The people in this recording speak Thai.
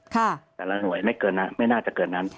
แต่ละหน่วยไม่น่าจะเกิดนั้น